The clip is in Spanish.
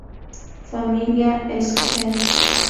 Familia es "ke".